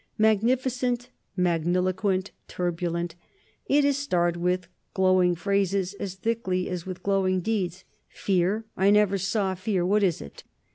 Magnificent, magniloquent, turbulent, it is starred with glowing phrases as thickly as with glowing deeds. "Fear! I never saw fear: what is it?"